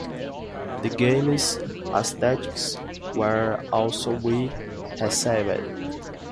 The game's aesthetics were also well received.